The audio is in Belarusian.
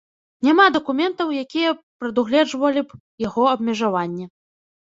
Няма дакументаў, якія прадугледжвалі б яго абмежаванне.